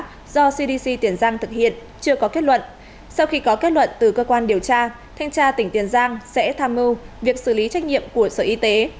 ubnd tỉnh tiền giang sẽ tham mưu việc xử lý trách nhiệm của sở y tế